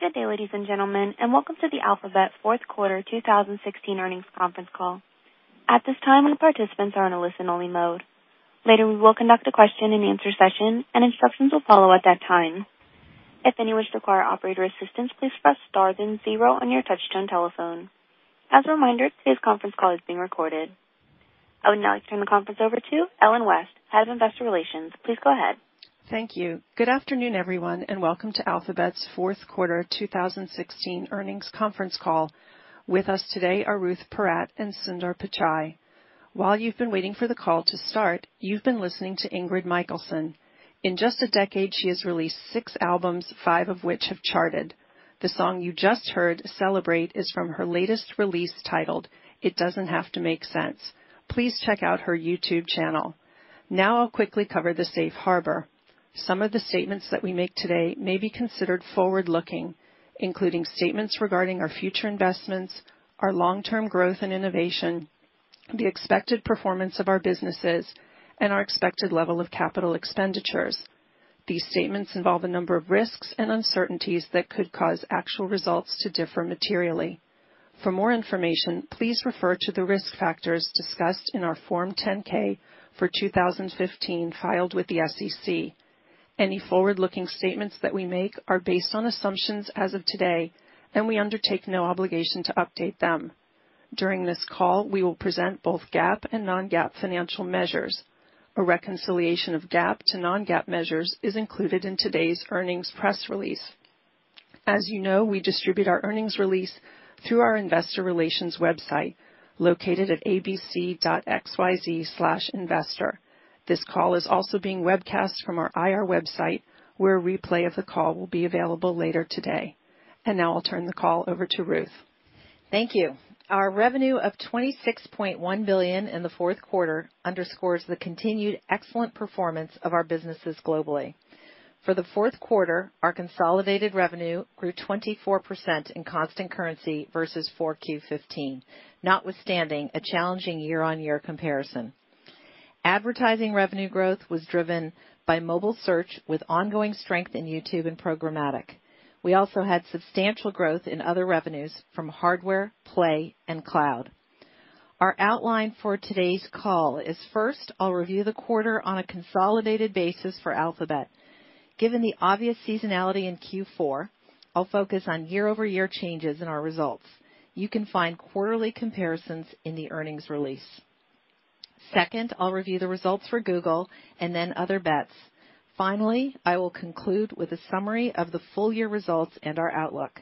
Good day, ladies and gentlemen, and welcome to the Alphabet fourth quarter 2016 earnings conference call. At this time, all participants are in a listen-only mode. Later, we will conduct a question-and-answer session, and instructions will follow at that time. If any of you wish to require operator assistance, please press star then zero on your touch-tone telephone. As a reminder, today's conference call is being recorded. I would now like to turn the conference over to Ellen West, Head of Investor Relations. Please go ahead. Thank you. Good afternoon, everyone, and welcome to Alphabet's fourth quarter 2016 earnings conference call. With us today are Ruth Porat and Sundar Pichai. While you've been waiting for the call to start, you've been listening to Ingrid Michaelson. In just a decade, she has released six albums, five of which have charted. The song you just heard, "Celebrate," is from her latest release titled "It Doesn't Have to Make Sense." Please check out her YouTube channel. Now, I'll quickly cover the safe harbor. Some of the statements that we make today may be considered forward-looking, including statements regarding our future investments, our long-term growth and innovation, the expected performance of our businesses, and our expected level of capital expenditures. These statements involve a number of risks and uncertainties that could cause actual results to differ materially. For more information, please refer to the risk factors discussed in our Form 10-K for 2015 filed with the SEC. Any forward-looking statements that we make are based on assumptions as of today, and we undertake no obligation to update them. During this call, we will present both GAAP and non-GAAP financial measures. A reconciliation of GAAP to non-GAAP measures is included in today's earnings press release. As you know, we distribute our earnings release through our investor relations website located at abc.xyz/investor. This call is also being webcast from our IR website, where a replay of the call will be available later today. And now, I'll turn the call over to Ruth. Thank you. Our revenue of $26.1 billion in the fourth quarter underscores the continued excellent performance of our businesses globally. For the fourth quarter, our consolidated revenue grew 24% in constant currency versus 4Q 2015, notwithstanding a challenging year-on-year comparison. Advertising revenue growth was driven by mobile search with ongoing strength in YouTube and programmatic. We also had substantial growth in other revenues from hardware, Play, and Cloud. Our outline for today's call is, first, I'll review the quarter on a consolidated basis for Alphabet. Given the obvious seasonality in Q4, I'll focus on year-over-year changes in our results. You can find quarterly comparisons in the earnings release. Second, I'll review the results for Google and then Other Bets. Finally, I will conclude with a summary of the full-year results and our outlook.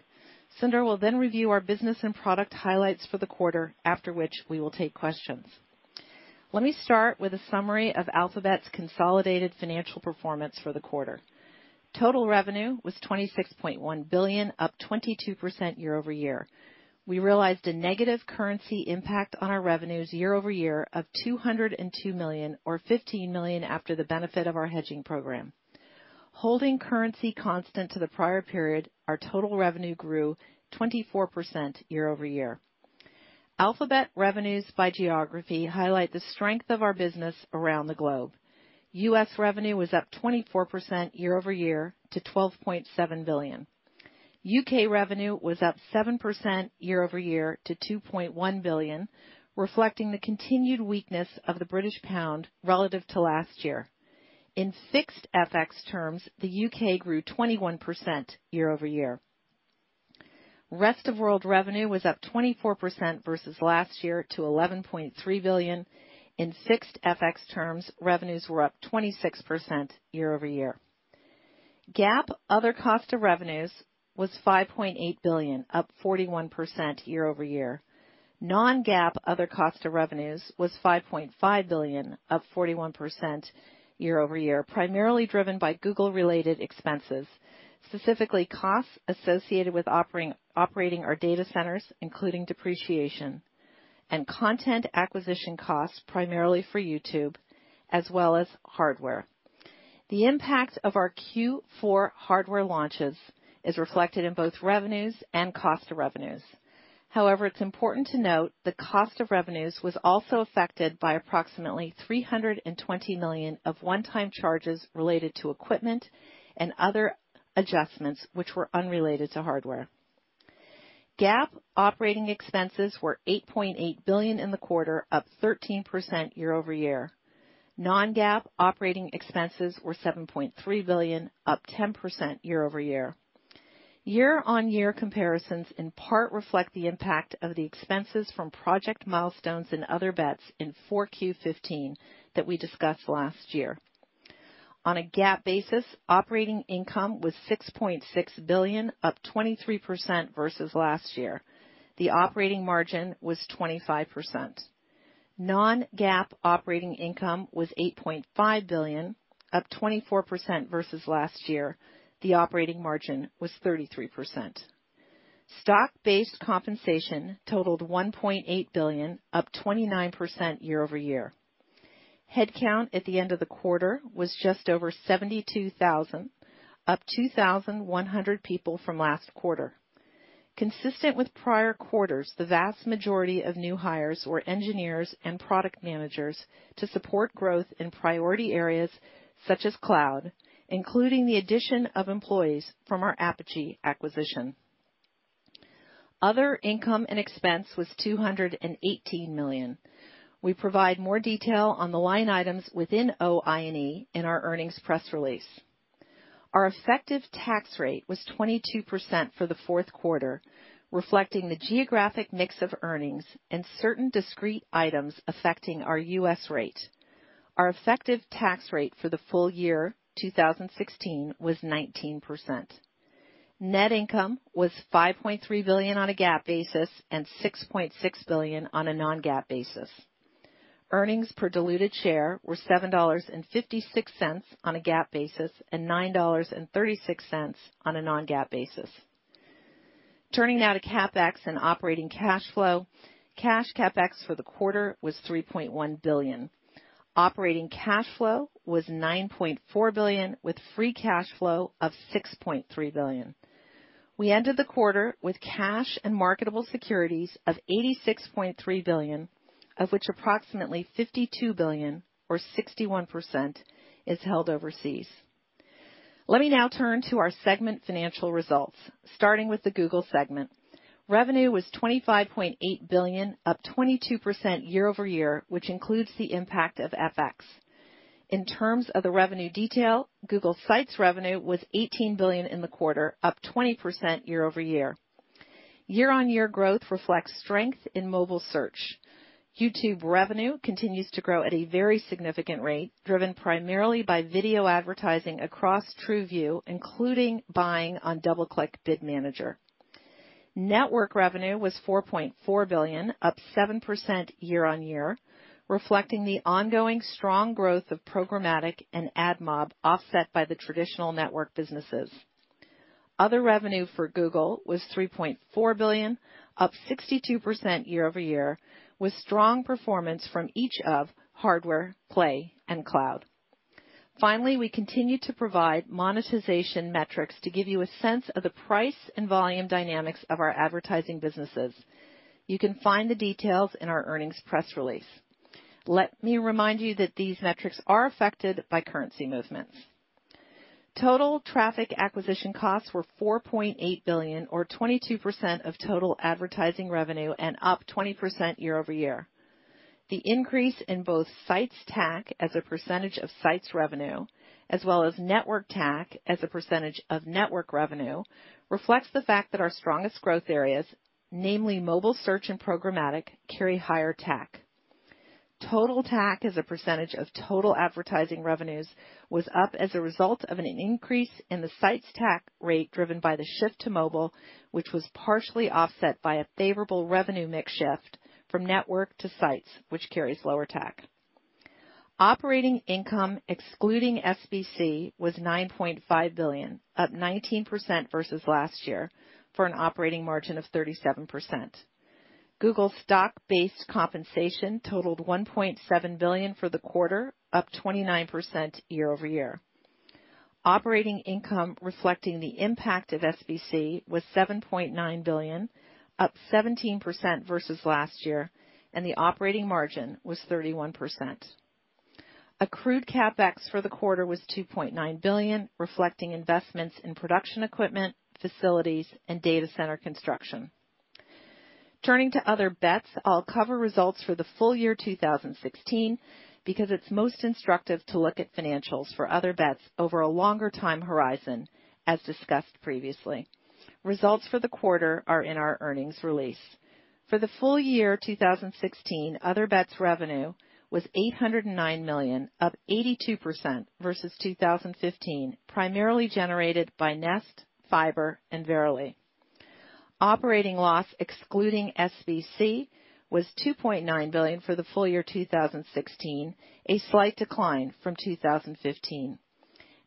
Sundar will then review our business and product highlights for the quarter, after which we will take questions. Let me start with a summary of Alphabet's consolidated financial performance for the quarter. Total revenue was $26.1 billion, up 22% year-over-year. We realized a negative currency impact on our revenues year-over-year of $202 million, or $15 million after the benefit of our hedging program. Holding currency constant to the prior period, our total revenue grew 24% year-over-year. Alphabet revenues by geography highlight the strength of our business around the globe. U.S. revenue was up 24% year-over-year to $12.7 billion. U.K. revenue was up 7% year-over-year to $2.1 billion, reflecting the continued weakness of the British pound relative to last year. In fixed FX terms, the U.K. grew 21% year-over-year. Rest of world revenue was up 24% versus last year to $11.3 billion. In fixed FX terms, revenues were up 26% year-over-year. GAAP other cost of revenues was $5.8 billion, up 41% year-over-year. Non-GAAP other cost of revenues was $5.5 billion, up 41% year-over-year, primarily driven by Google-related expenses, specifically costs associated with operating our data centers, including depreciation, and content acquisition costs, primarily for YouTube, as well as hardware. The impact of our Q4 hardware launches is reflected in both revenues and cost of revenues. However, it's important to note the cost of revenues was also affected by approximately $320 million of one-time charges related to equipment and other adjustments, which were unrelated to hardware. GAAP operating expenses were $8.8 billion in the quarter, up 13% year-over-year. Non-GAAP operating expenses were $7.3 billion, up 10% year-over-year. Year-on-year comparisons in part reflect the impact of the expenses from project milestones and Other Bets in 4Q 2015 that we discussed last year. On a GAAP basis, operating income was $6.6 billion, up 23% versus last year. The operating margin was 25%. Non-GAAP operating income was $8.5 billion, up 24% versus last year. The operating margin was 33%. Stock-based compensation totaled $1.8 billion, up 29% year-over-year. Headcount at the end of the quarter was just over 72,000, up 2,100 people from last quarter. Consistent with prior quarters, the vast majority of new hires were engineers and product managers to support growth in priority areas such as Cloud, including the addition of employees from our Apigee acquisition. Other income and expense was $218 million. We provide more detail on the line items within OI&E in our earnings press release. Our effective tax rate was 22% for the fourth quarter, reflecting the geographic mix of earnings and certain discrete items affecting our U.S. rate. Our effective tax rate for the full year 2016 was 19%. Net income was $5.3 billion on a GAAP basis and $6.6 billion on a non-GAAP basis. Earnings per diluted share were $7.56 on a GAAP basis and $9.36 on a non-GAAP basis. Turning now to CapEx and operating cash flow, cash CapEx for the quarter was $3.1 billion. Operating cash flow was $9.4 billion, with free cash flow of $6.3 billion. We ended the quarter with cash and marketable securities of $86.3 billion, of which approximately $52 billion, or 61%, is held overseas. Let me now turn to our segment financial results, starting with the Google segment. Revenue was $25.8 billion, up 22% year-over-year, which includes the impact of FX. In terms of the revenue detail, Google sites revenue was $18 billion in the quarter, up 20% year-over-year. Year-on-year growth reflects strength in mobile search. YouTube revenue continues to grow at a very significant rate, driven primarily by video advertising across TrueView, including buying on DoubleClick Bid Manager. Network revenue was $4.4 billion, up 7% year-on-year, reflecting the ongoing strong growth of programmatic and AdMob offset by the traditional network businesses. Other revenue for Google was $3.4 billion, up 62% year-over-year, with strong performance from each of hardware, Play, and Cloud. Finally, we continue to provide monetization metrics to give you a sense of the price and volume dynamics of our advertising businesses. You can find the details in our earnings press release. Let me remind you that these metrics are affected by currency movements. Total traffic acquisition costs were $4.8 billion, or 22% of total advertising revenue, and up 20% year-over-year. The increase in both sites TAC as a percentage of sites revenue, as well as network TAC as a percentage of network revenue, reflects the fact that our strongest growth areas, namely mobile search and programmatic, carry higher TAC. Total TAC as a percentage of total advertising revenues was up as a result of an increase in the Sites TAC rate driven by the shift to mobile, which was partially offset by a favorable revenue mix shift from network-to-sites, which carries lower TAC. Operating income excluding SBC was $9.5 billion, up 19% versus last year, for an operating margin of 37%. Google stock-based compensation totaled $1.7 billion for the quarter, up 29% year-over-year. Operating income reflecting the impact of SBC was $7.9 billion, up 17% versus last year, and the operating margin was 31%. Accrued CapEx for the quarter was $2.9 billion, reflecting investments in production equipment, facilities, and data center construction. Turning to Other Bets, I'll cover results for the full year 2016 because it's most instructive to look at financials for Other Bets over a longer time horizon, as discussed previously. Results for the quarter are in our earnings release. For the full year 2016, Other Bets revenue was $809 million, up 82% versus 2015, primarily generated by Nest, Fiber, and Verily. Operating loss excluding SBC was $2.9 billion for the full year 2016, a slight decline from 2015.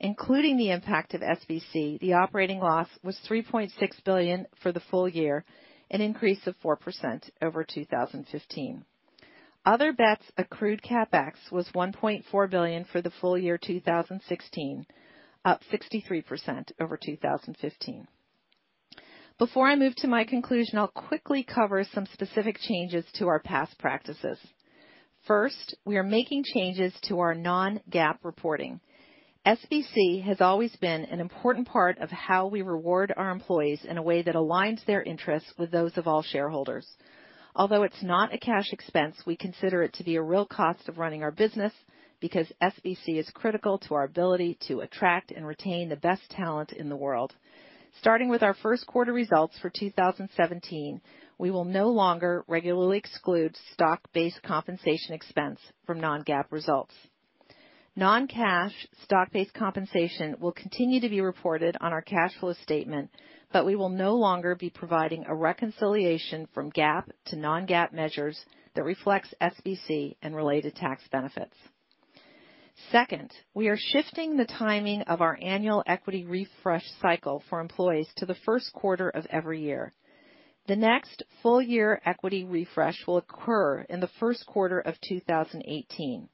Including the impact of SBC, the operating loss was $3.6 billion for the full year, an increase of 4% over 2015. Other Bets accrued CapEx was $1.4 billion for the full year 2016, up 63% over 2015. Before I move to my conclusion, I'll quickly cover some specific changes to our past practices. First, we are making changes to our non-GAAP reporting. SBC has always been an important part of how we reward our employees in a way that aligns their interests with those of all shareholders. Although it's not a cash expense, we consider it to be a real cost of running our business because SBC is critical to our ability to attract and retain the best talent in the world. Starting with our first quarter results for 2017, we will no longer regularly exclude stock-based compensation expense from non-GAAP results. Non-cash stock-based compensation will continue to be reported on our cash flow statement, but we will no longer be providing a reconciliation from GAAP to non-GAAP measures that reflects SBC and related tax benefits. Second, we are shifting the timing of our annual equity refresh cycle for employees to the first quarter of every year. The next full-year equity refresh will occur in the first quarter of 2018.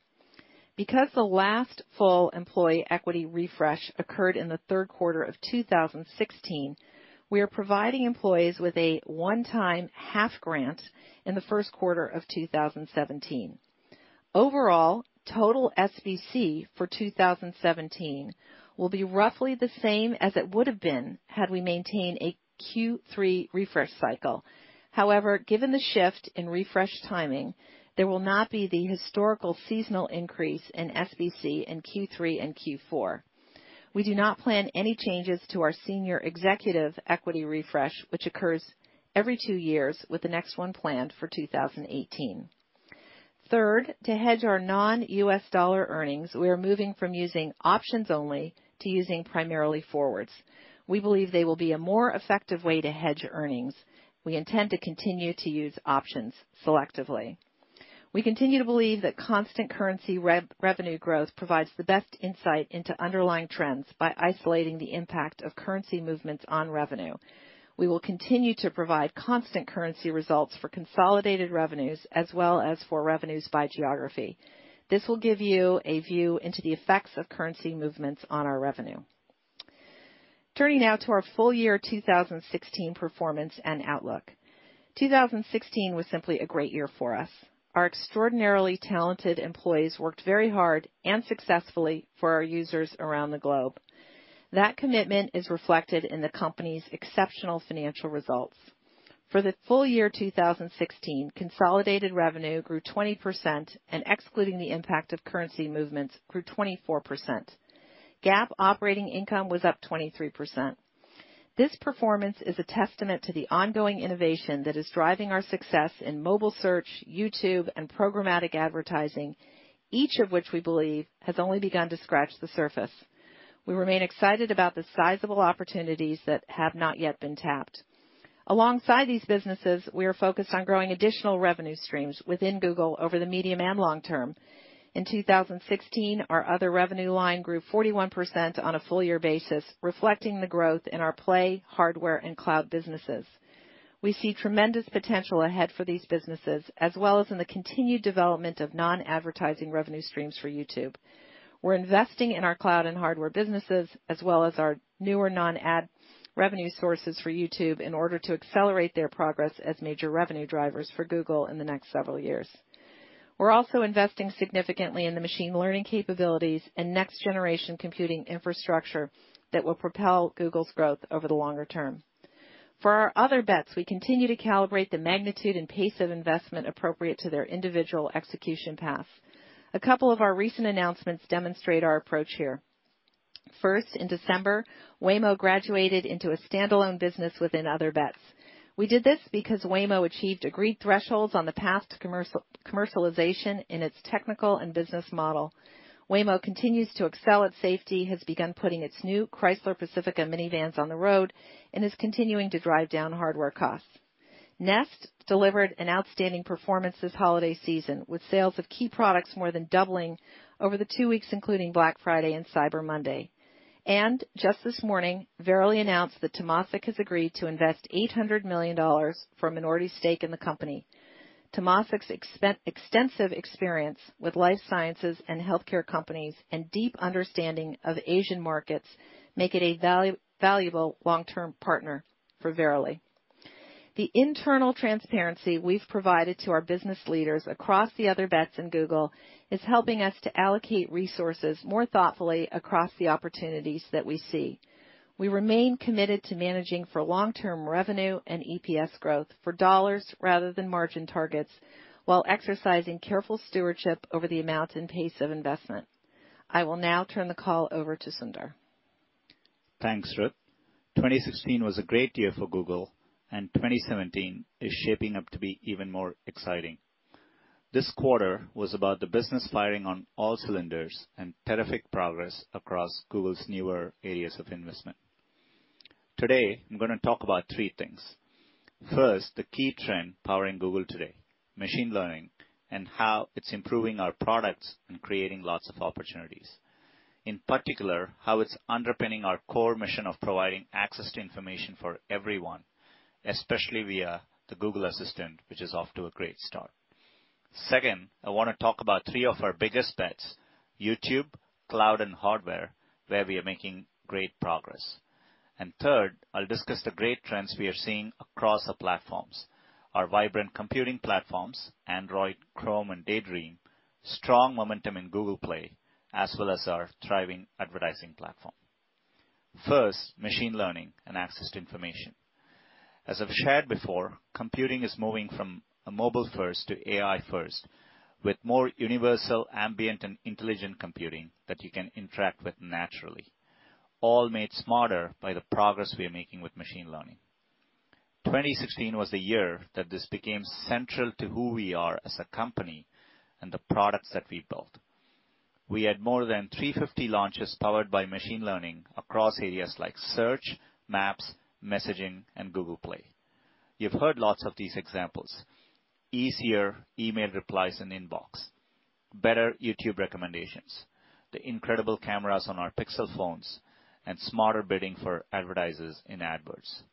Because the last full employee equity refresh occurred in the third quarter of 2016, we are providing employees with a one-time half grant in the first quarter of 2017. Overall, total SBC for 2017 will be roughly the same as it would have been had we maintained a Q3 refresh cycle. However, given the shift in refresh timing, there will not be the historical seasonal increase in SBC in Q3 and Q4. We do not plan any changes to our senior executive equity refresh, which occurs every two years, with the next one planned for 2018. Third, to hedge our non-U.S. dollar earnings, we are moving from using options only to using primarily forwards. We believe they will be a more effective way to hedge earnings. We intend to continue to use options selectively. We continue to believe that constant currency revenue growth provides the best insight into underlying trends by isolating the impact of currency movements on revenue. We will continue to provide constant currency results for consolidated revenues, as well as for revenues by geography. This will give you a view into the effects of currency movements on our revenue. Turning now to our full year 2016 performance and outlook. 2016 was simply a great year for us. Our extraordinarily talented employees worked very hard and successfully for our users around the globe. That commitment is reflected in the company's exceptional financial results. For the full year 2016, consolidated revenue grew 20%, and excluding the impact of currency movements, grew 24%. GAAP operating income was up 23%. This performance is a testament to the ongoing innovation that is driving our success in mobile search, YouTube, and programmatic advertising, each of which we believe has only begun to scratch the surface. We remain excited about the sizable opportunities that have not yet been tapped. Alongside these businesses, we are focused on growing additional revenue streams within Google over the medium and long term. In 2016, our other revenue line grew 41% on a full-year basis, reflecting the growth in our Play, hardware, and Cloud businesses. We see tremendous potential ahead for these businesses, as well as in the continued development of non-advertising revenue streams for YouTube. We're investing in our Cloud and hardware businesses, as well as our newer non-ad revenue sources for YouTube, in order to accelerate their progress as major revenue drivers for Google in the next several years. We're also investing significantly in the machine learning capabilities and next-generation computing infrastructure that will propel Google's growth over the longer term. For our Other Bets, we continue to calibrate the magnitude and pace of investment appropriate to their individual execution path. A couple of our recent announcements demonstrate our approach here. First, in December, Waymo graduated into a standalone business within Other Bets. We did this because Waymo achieved agreed thresholds on the path to commercialization in its technical and business model. Waymo continues to excel at safety, has begun putting its new Chrysler Pacifica minivans on the road, and is continuing to drive down hardware costs. Nest delivered an outstanding performance this holiday season, with sales of key products more than doubling over the two weeks including Black Friday and Cyber Monday. Just this morning, Verily announced that Temasek has agreed to invest $800 million for a minority stake in the company. Temasek's extensive experience with life sciences and healthcare companies and deep understanding of Asian markets make it a valuable long-term partner for Verily. The internal transparency we've provided to our business leaders across the Other Bets in Google is helping us to allocate resources more thoughtfully across the opportunities that we see. We remain committed to managing for long-term revenue and EPS growth for dollars rather than margin targets, while exercising careful stewardship over the amount and pace of investment. I will now turn the call over to Sundar. Thanks, Ruth. 2016 was a great year for Google, and 2017 is shaping up to be even more exciting. This quarter was about the business firing on all cylinders and terrific progress across Google's newer areas of investment. Today, I'm going to talk about three things. First, the key trend powering Google today: machine learning and how it's improving our products and creating lots of opportunities. In particular, how it's underpinning our core mission of providing access to information for everyone, especially via the Google Assistant, which is off to a great start. Second, I want to talk about three of our biggest bets: YouTube, Cloud, and hardware, where we are making great progress. And third, I'll discuss the great trends we are seeing across our platforms: our vibrant computing platforms, Android, Chrome, and Daydream, strong momentum in Google Play, as well as our thriving advertising platform. First, machine learning and access to information. As I've shared before, computing is moving from a mobile-first to AI-first, with more universal, ambient, and intelligent computing that you can interact with naturally, all made smarter by the progress we are making with machine learning. 2016 was the year that this became central to who we are as a company and the products that we built. We had more than 350 launches powered by machine learning across areas like Search, Maps, Messaging, and Google Play. You've heard lots of these examples: easier email replies and inbox, better YouTube recommendations, the incredible cameras on our Pixel phones, and smarter bidding for advertisers in AdWords.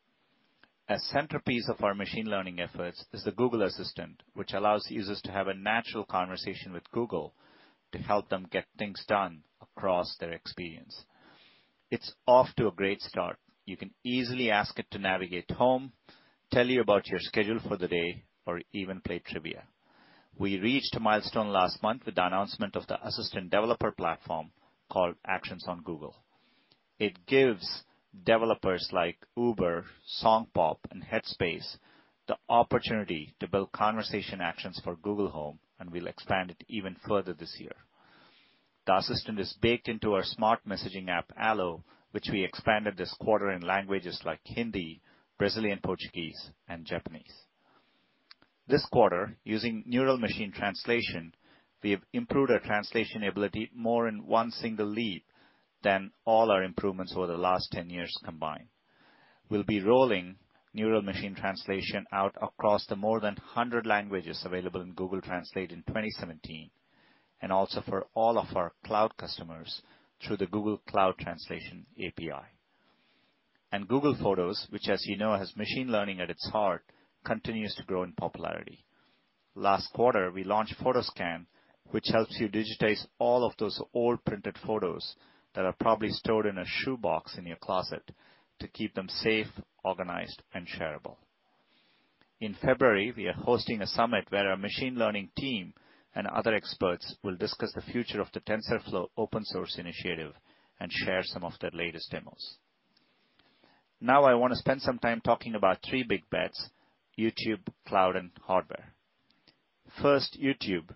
A centerpiece of our machine learning efforts is the Google Assistant, which allows users to have a natural conversation with Google to help them get things done across their experience. It's off to a great start. You can easily ask it to navigate home, tell you about your schedule for the day, or even play trivia. We reached a milestone last month with the announcement of the Assistant Developer Platform called Actions on Google. It gives developers like Uber, SongPop, and Headspace the opportunity to build Conversation Actions for Google Home, and we'll expand it even further this year. The Assistant is baked into our smart messaging app, Allo, which we expanded this quarter in languages like Hindi, Brazilian Portuguese, and Japanese. This quarter, using neural machine translation, we have improved our translation ability more in one single leap than all our improvements over the last 10 years combined. We'll be rolling neural machine translation out across the more than 100 languages available in Google Translate in 2017, and also for all of our Cloud customers through the Google Cloud Translation API. And Google Photos, which, as you know, has machine learning at its heart, continues to grow in popularity. Last quarter, we launched PhotoScan, which helps you digitize all of those old printed photos that are probably stored in a shoe box in your closet to keep them safe, organized, and shareable. In February, we are hosting a summit where our machine learning team and other experts will discuss the future of the TensorFlow open-source initiative and share some of their latest demos. Now, I want to spend some time talking about three big bets: YouTube, Cloud, and hardware. First, YouTube,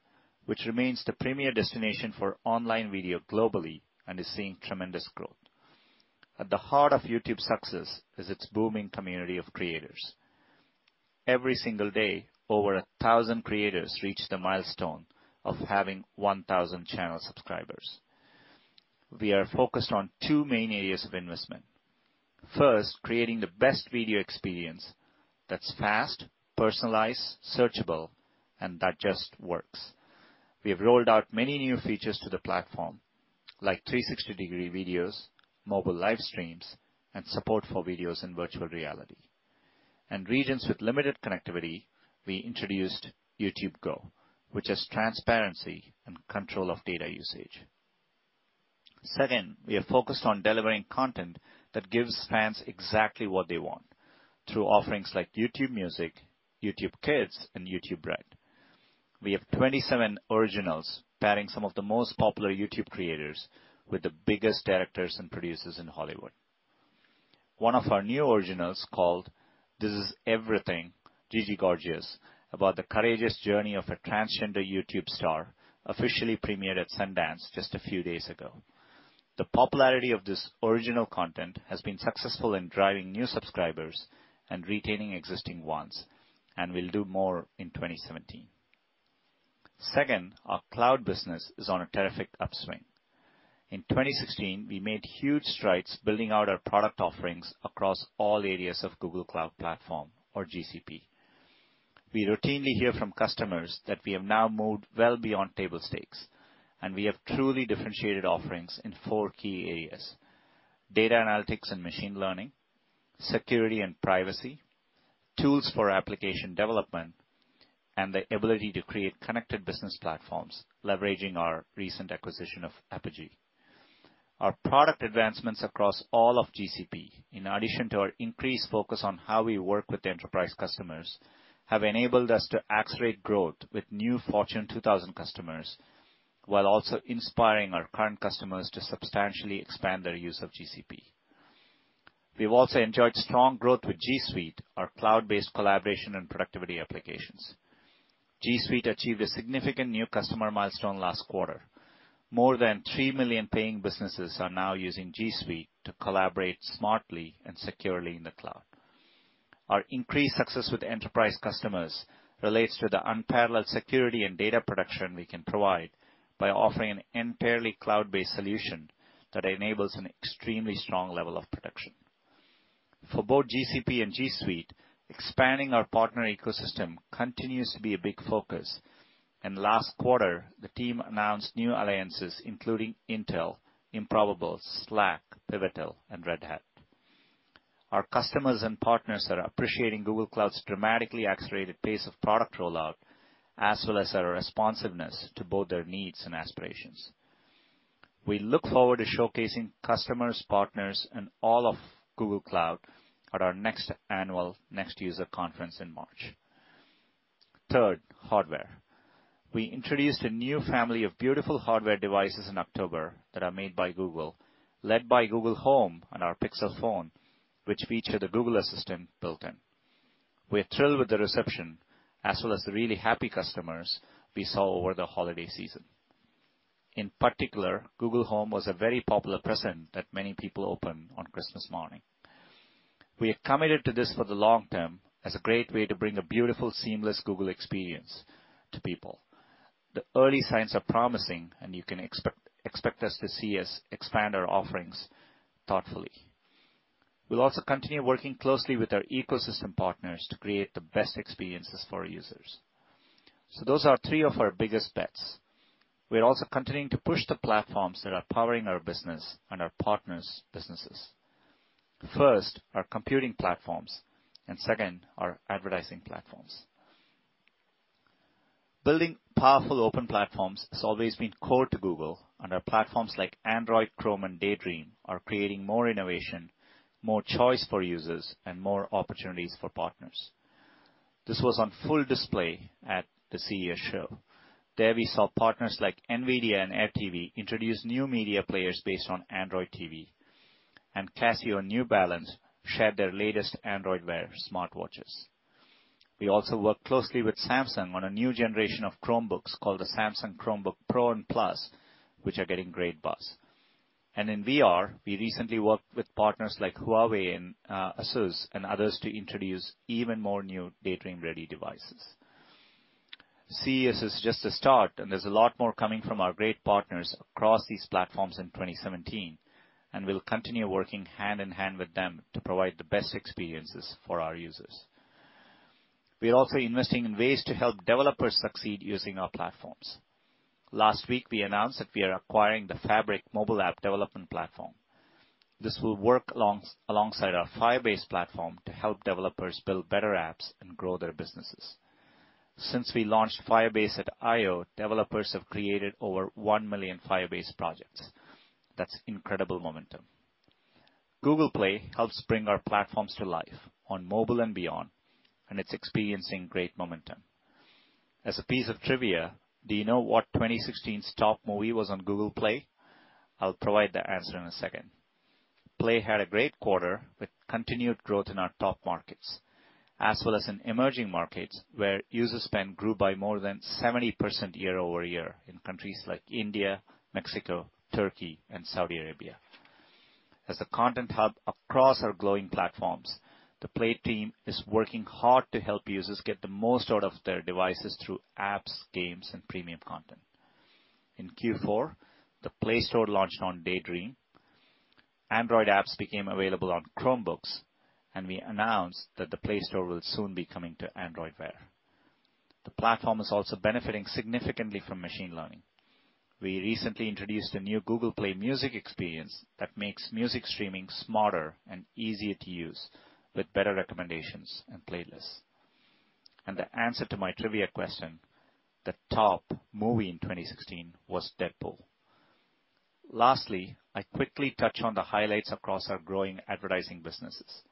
which remains the premier destination for online video globally and is seeing tremendous growth. At the heart of YouTube's success is its booming community of creators. Every single day, over 1,000 creators reach the milestone of having 1,000 channel subscribers. We are focused on two main areas of investment. First, creating the best video experience that's fast, personalized, searchable, and that just works. We have rolled out many new features to the platform, like 360-degree videos, mobile live streams, and support for videos in virtual reality. In regions with limited connectivity, we introduced YouTube Go, which has transparency and control of data usage. Second, we are focused on delivering content that gives fans exactly what they want through offerings like YouTube Music, YouTube Kids, and YouTube Red. We have 27 originals pairing some of the most popular YouTube creators with the biggest directors and producers in Hollywood. One of our new originals called “This Is Everything: Gigi Gorgeous,” about the courageous journey of a transgender YouTube star, officially premiered at Sundance just a few days ago. The popularity of this original content has been successful in driving new subscribers and retaining existing ones, and we'll do more in 2017. Second, our Cloud business is on a terrific upswing. In 2016, we made huge strides building out our product offerings across all areas of Google Cloud Platform, or GCP. We routinely hear from customers that we have now moved well beyond table stakes, and we have truly differentiated offerings in four key areas: data analytics and machine learning, security and privacy, tools for application development, and the ability to create connected business platforms, leveraging our recent acquisition of Apigee. Our product advancements across all of GCP, in addition to our increased focus on how we work with enterprise customers, have enabled us to accelerate growth with new Fortune 2000 customers, while also inspiring our current customers to substantially expand their use of GCP. We've also enjoyed strong growth with G Suite, our Cloud-based collaboration and productivity applications. G Suite achieved a significant new customer milestone last quarter. More than three million paying businesses are now using G Suite to collaborate smartly and securely in the Cloud. Our increased success with enterprise customers relates to the unparalleled security and data protection we can provide by offering an entirely Cloud-based solution that enables an extremely strong level of protection. For both GCP and G Suite, expanding our partner ecosystem continues to be a big focus, and last quarter, the team announced new alliances, including Intel, Improbable, Slack, Pivotal, and Red Hat. Our customers and partners are appreciating Google Cloud's dramatically accelerated pace of product rollout, as well as our responsiveness to both their needs and aspirations. We look forward to showcasing customers, partners, and all of Google Cloud at our next annual Next User Conference in March. Third, hardware. We introduced a new family of beautiful hardware devices in October that are made by Google, led by Google Home and our Pixel phone, which feature the Google Assistant built-in. We are thrilled with the reception, as well as the really happy customers we saw over the holiday season. In particular, Google Home was a very popular present that many people opened on Christmas morning. We are committed to this for the long term as a great way to bring a beautiful, seamless Google experience to people. The early signs are promising, and you can expect to see us expand our offerings thoughtfully. We'll also continue working closely with our ecosystem partners to create the best experiences for our users. So those are three of our biggest bets. We're also continuing to push the platforms that are powering our business and our partners' businesses. First, our computing platforms, and second, our advertising platforms. Building powerful open platforms has always been core to Google, and our platforms like Android, Chrome, and Daydream are creating more innovation, more choice for users, and more opportunities for partners. This was on full display at the CES show. There we saw partners like NVIDIA and AirTV introduce new media players based on Android TV, and Casio and New Balance shared their latest Android Wear smartwatches. We also worked closely with Samsung on a new generation of Chromebooks called the Samsung Chromebook Pro and Plus, which are getting great buzz. And in VR, we recently worked with partners like Huawei and Asus and others to introduce even more new Daydream-ready devices. CES is just a start, and there's a lot more coming from our great partners across these platforms in 2017, and we'll continue working hand in hand with them to provide the best experiences for our users. We're also investing in ways to help developers succeed using our platforms. Last week, we announced that we are acquiring the Fabric mobile app development platform. This will work alongside our Firebase platform to help developers build better apps and grow their businesses. Since we launched Firebase at I/O, developers have created over one million Firebase projects. That's incredible momentum. Google Play helps bring our platforms to life on mobile and beyond, and it's experiencing great momentum. As a piece of trivia, do you know what 2016's top movie was on Google Play? I'll provide the answer in a second. Play had a great quarter with continued growth in our top markets, as well as in emerging markets where user spend grew by more than 70% year-over-year in countries like India, Mexico, Turkey, and Saudi Arabia. As a content hub across our Google platforms, the Play team is working hard to help users get the most out of their devices through apps, games, and premium content. In Q4, the Play Store launched on Daydream. Android apps became available on Chromebooks, and we announced that the Play Store will soon be coming to Android Wear. The platform is also benefiting significantly from machine learning. We recently introduced a new Google Play Music experience that makes music streaming smarter and easier to use with better recommendations and playlists, and the answer to my trivia question, the top movie in 2016 was Deadpool. Lastly, I quickly touch on the highlights across our growing advertising businesses.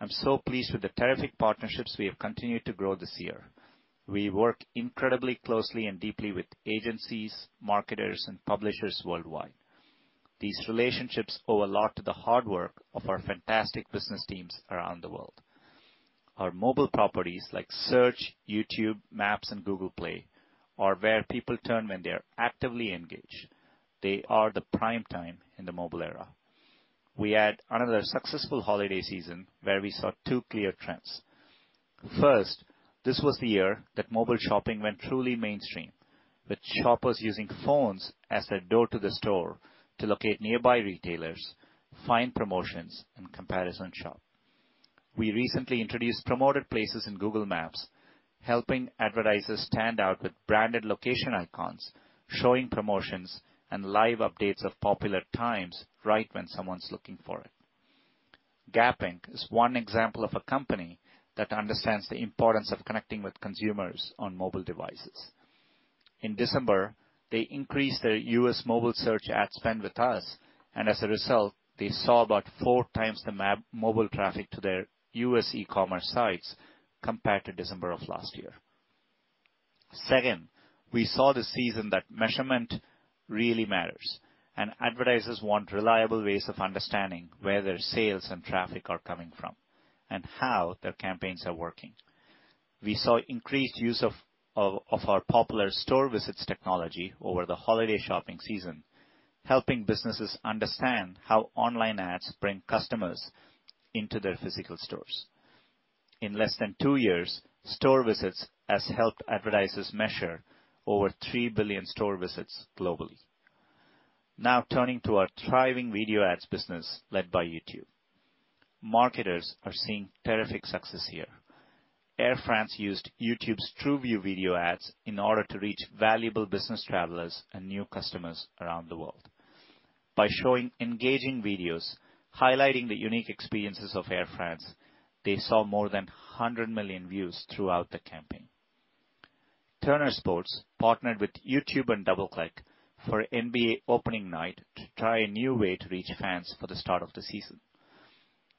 I'm so pleased with the terrific partnerships we have continued to grow this year. We work incredibly closely and deeply with agencies, marketers, and publishers worldwide. These relationships owe a lot to the hard work of our fantastic business teams around the world. Our mobile properties like Search, YouTube, Maps, and Google Play are where people turn when they are actively engaged. They are the prime time in the mobile era. We had another successful holiday season where we saw two clear trends. First, this was the year that mobile shopping went truly mainstream, with shoppers using phones as their door to the store to locate nearby retailers, find promotions, and comparison shop. We recently introduced Promoted Places in Google Maps, helping advertisers stand out with branded location icons, showing promotions, and live updates of Popular Times right when someone's looking for it. Gap Inc is one example of a company that understands the importance of coSnnecting with consumers on mobile devices. In December, they increased their U.S. mobile search ad spend with us, and as a result, they saw about 4x the mobile traffic to their U.S. e-commerce sites compared to December of last year. Second, we saw this season that measurement really matters, and advertisers want reliable ways of understanding where their sales and traffic are coming from and how their campaigns are working. We saw increased use of our popular Store Visits technology over the holiday shopping season, helping businesses understand how online ads bring customers into their physical stores. In less than two years, Store Visits have helped advertisers measure over 3 billion Store Visits globally. Now, turning to our thriving video ads business led by YouTube, marketers are seeing terrific success here. Air France used YouTube's TrueView video ads in order to reach valuable business travelers and new customers around the world. By showing engaging videos, highlighting the unique experiences of Air France, they saw more than 100 million views throughout the campaign. Turner Sports partnered with YouTube and DoubleClick for NBA Opening Night to try a new way to reach fans for the start of the season.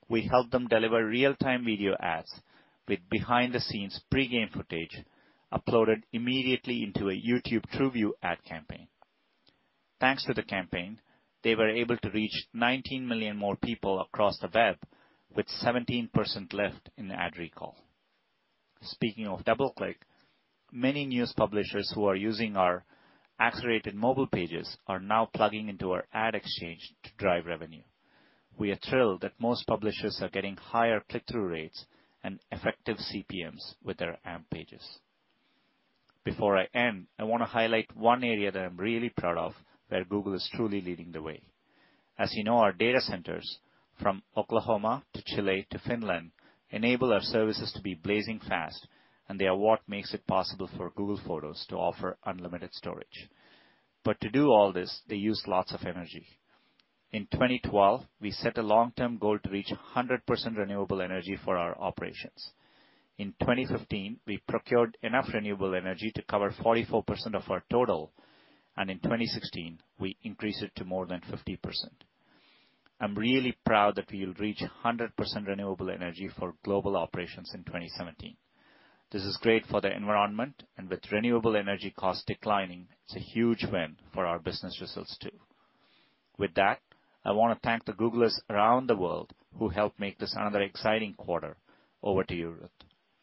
We helped them deliver real-time video ads with behind-the-scenes pre-game footage uploaded immediately into a YouTube TrueView ad campaign. Thanks to the campaign, they were able to reach 19 million more people across the web with 17% lift in ad recall. Speaking of DoubleClick, many news publishers who are using our Accelerated Mobile Pages are now plugging into our ad exchange to drive revenue. We are thrilled that most publishers are getting higher click-through rates and effective CPMs with their AMP pages. Before I end, I want to highlight one area that I'm really proud of where Google is truly leading the way. As you know, our data centers from Oklahoma to Chile to Finland enable our services to be blazing fast, and they are what makes it possible for Google Photos to offer unlimited storage. But to do all this, they use lots of energy. In 2012, we set a long-term goal to reach 100% renewable energy for our operations. In 2015, we procured enough renewable energy to cover 44% of our total, and in 2016, we increased it to more than 50%. I'm really proud that we will reach 100% renewable energy for global operations in 2017. This is great for the environment, and with renewable energy costs declining, it's a huge win for our business results too. With that, I want to thank the Googlers around the world who helped make this another exciting quarter. Over to you, Ruth.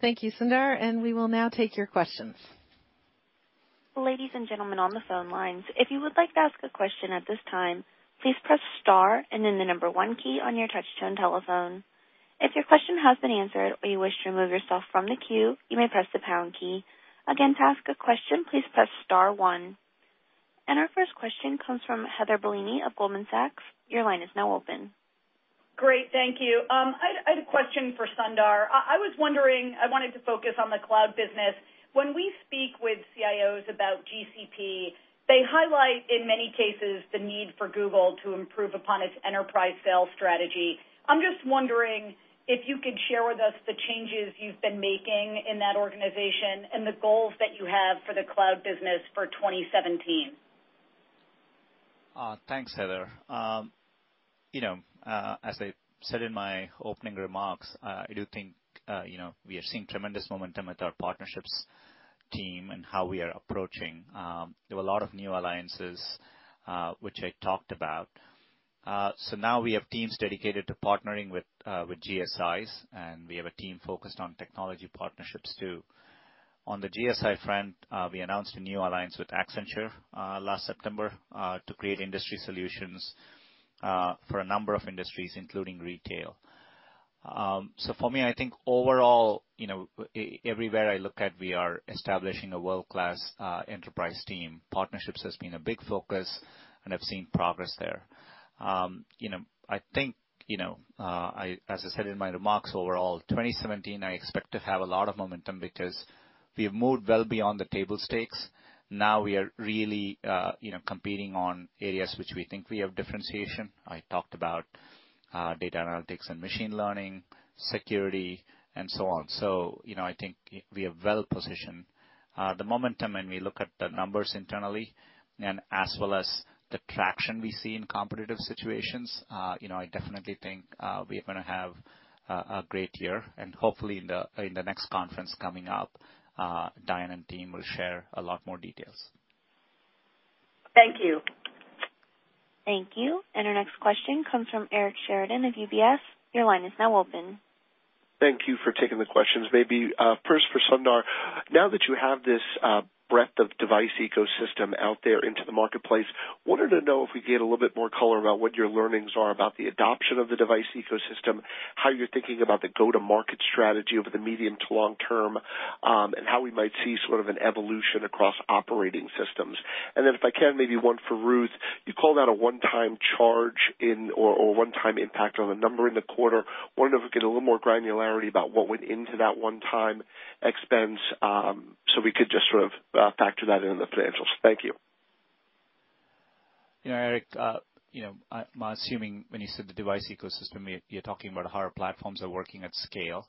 Thank you, Sundar, and we will now take your questions. Ladies and gentlemen on the phone lines, if you would like to ask a question at this time, please press star and then the number one key on your touch-tone telephone. If your question has been answered or you wish to remove yourself from the queue, you may press the pound key. Again, to ask a question, please press star one. And our first question comes from Heather Bellini of Goldman Sachs. Your line is now open. Great, thank you. I had a question for Sundar. I was wondering, I wanted to focus on the Cloud business. When we speak with CIOs about GCP, they highlight in many cases the need for Google to improve upon its enterprise sales strategy. I'm just wondering if you could share with us the changes you've been making in that organization and the goals that you have for the Cloud business for 2017. Thanks, Heather. As I said in my opening remarks, I do think we are seeing tremendous momentum with our partnerships team and how we are approaching. There were a lot of new alliances, which I talked about. So now we have teams dedicated to partnering with GSIs, and we have a team focused on technology partnerships too. On the GSI front, we announced a new alliance with Accenture last September to create industry solutions for a number of industries, including retail. So for me, I think overall, everywhere I look at, we are establishing a world-class enterprise team. Partnerships has been a big focus, and I've seen progress there. I think, as I said in my remarks overall, 2017, I expect to have a lot of momentum because we have moved well beyond the table stakes. Now we are really competing on areas which we think we have differentiation. I talked about data analytics and machine learning, security, and so on. So I think we are well positioned. The momentum, when we look at the numbers internally and as well as the traction we see in competitive situations, I definitely think we are going to have a great year. And hopefully, in the next conference coming up, Diane and team will share a lot more details. Thank you. Thank you. And our next question comes from Eric Sheridan of UBS. Your line is now open. Thank you for taking the questions. Maybe first for Sundar, now that you have this breadth of device ecosystem out there into the marketplace, I wanted to know if we could get a little bit more color about what your learnings are about the adoption of the device ecosystem, how you're thinking about the go-to-market strategy over the medium to long term, and how we might see sort of an evolution across operating systems. And then if I can, maybe one for Ruth. You called out a one-time charge or one-time impact on the number in the quarter. I wanted to get a little more granularity about what went into that one-time expense so we could just sort of factor that into the financials. Thank you. Eric, I'm assuming when you said the device ecosystem, you're talking about how our platforms are working at scale.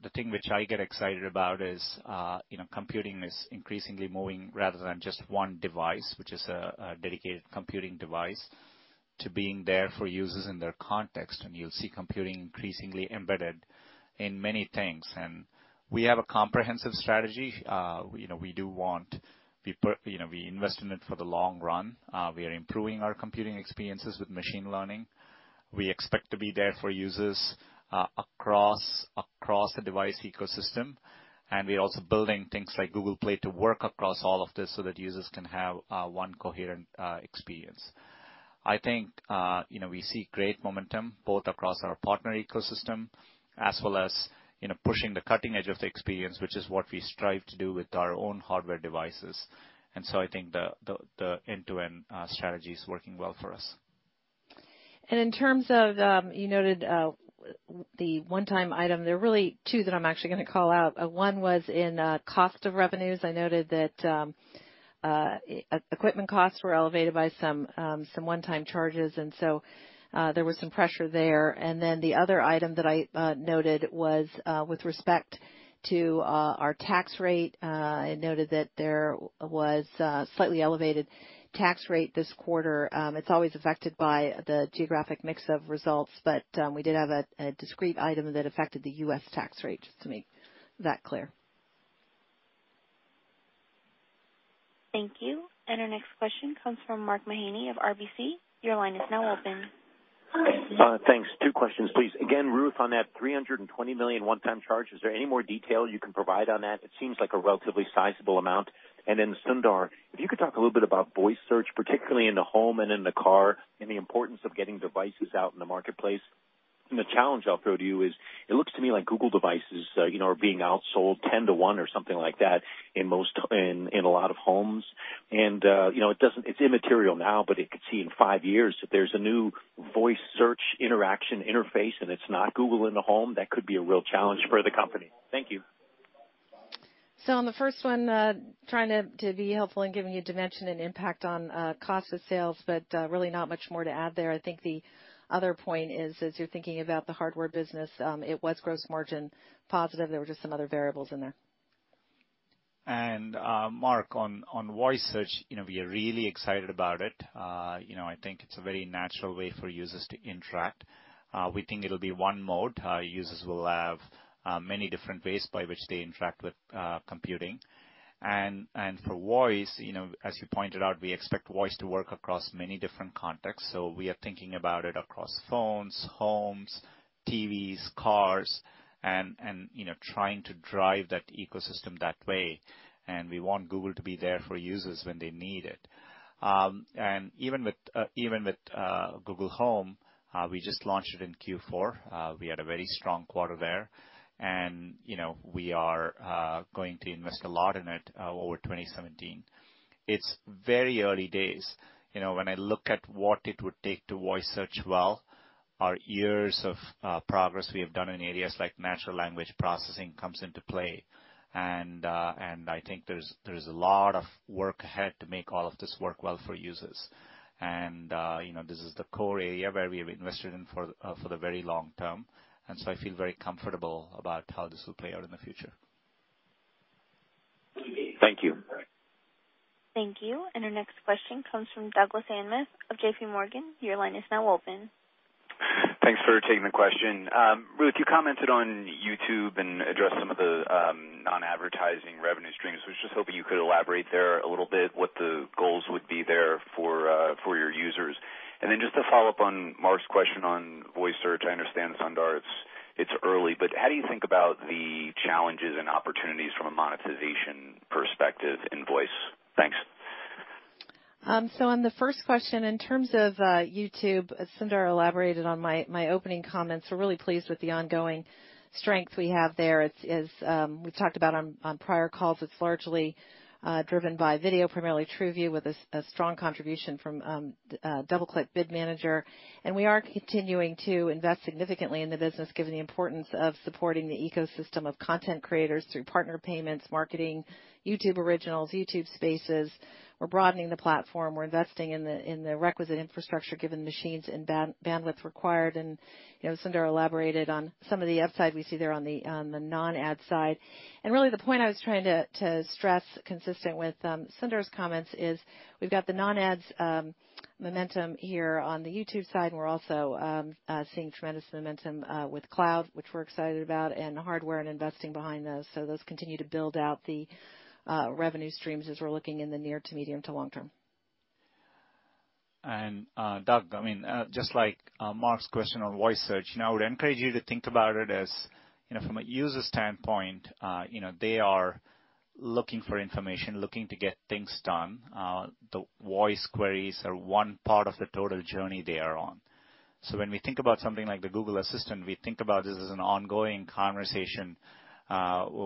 The thing which I get excited about is that computing is increasingly moving rather than just one device, which is a dedicated computing device, to being there for users in their context, and you'll see computing increasingly embedded in many things, and we have a comprehensive strategy. We do what we invest in it for the long run. We are improving our computing experiences with machine learning. We expect to be there for users across the device ecosystem, and we're also building things like Google Play to work across all of this so that users can have one coherent experience. I think we see great momentum both across our partner ecosystem as well as pushing the cutting edge of the experience, which is what we strive to do with our own hardware devices, and so I think the end-to-end strategy is working well for us. And in terms of you noted the one-time item, there are really two that I'm actually going to call out. One was in cost of revenues. I noted that equipment costs were elevated by some one-time charges, and so there was some pressure there. And then the other item that I noted was with respect to our tax rate. I noted that there was a slightly elevated tax rate this quarter. It's always affected by the geographic mix of results, but we did have a discrete item that affected the U.S. tax rate, just to make that clear. Thank you. And our next question comes from Mark Mahaney of RBC. Your line is now open. Thanks. Two questions, please. Again, Ruth, on that $320 million one-time charge, is there any more detail you can provide on that? It seems like a relatively sizable amount. And then Sundar, if you could talk a little bit about voice search, particularly in the home and in the car, and the importance of getting devices out in the marketplace. And the challenge I'll throw to you is, it looks to me like Google devices are being outsold 10 to 1 or something like that in a lot of homes. And it's immaterial now, but it could see in five years if there's a new voice search interaction interface and it's not Google in the home, that could be a real challenge for the company. Thank you. So on the first one, trying to be helpful in giving you dimension and impact on cost of sales, but really not much more to add there. I think the other point is, as you're thinking about the hardware business, it was gross margin positive. There were just some other variables in there. And Mark, on voice search, we are really excited about it. I think it's a very natural way for users to interact. We think it'll be one mode. Users will have many different ways by which they interact with computing. And for voice, as you pointed out, we expect voice to work across many different contexts. So we are thinking about it across phones, homes, TVs, cars, and trying to drive that ecosystem that way. And we want Google to be there for users when they need it. And even with Google Home, we just launched it in Q4. We had a very strong quarter there, and we are going to invest a lot in it over 2017. It's very early days. When I look at what it would take to voice search well, our years of progress we have done in areas like natural language processing comes into play. And I think there is a lot of work ahead to make all of this work well for users. And this is the core area where we have invested in for the very long term. And so I feel very comfortable about how this will play out in the future. Thank you. Thank you. And our next question comes from Douglas Anmuth of JPMorgan. Your line is now open. Thanks for taking the question. Ruth, you commented on YouTube and addressed some of the non-advertising revenue streams. I was just hoping you could elaborate there a little bit what the goals would be there for your users. And then just to follow up on Mark's question on voice search, I understand, Sundar, it's early, but how do you think about the challenges and opportunities from a monetization perspective in voice? Thanks. So on the first question, in terms of YouTube, Sundar elaborated on my opening comments. We're really pleased with the ongoing strength we have there. As we've talked about on prior calls, it's largely driven by video, primarily TrueView with a strong contribution from DoubleClick Bid Manager. And we are continuing to invest significantly in the business, given the importance of supporting the ecosystem of content creators through partner payments, marketing, YouTube Originals, YouTube Spaces. We're broadening the platform. We're investing in the requisite infrastructure, given the machines and bandwidth required. And Sundar elaborated on some of the upside we see there on the non-ad side. And really, the point I was trying to stress, consistent with Sundar's comments, is we've got the non-ads momentum here on the YouTube side, and we're also seeing tremendous momentum with Cloud, which we're excited about, and hardware and investing behind those. So those continue to build out the revenue streams as we're looking in the near to medium to long term. And Doug, I mean, just like Mark's question on voice search, I would encourage you to think about it as, from a user standpoint, they are looking for information, looking to get things done. The voice queries are one part of the total journey they are on. So when we think about something like the Google Assistant, we think about this as an ongoing conversation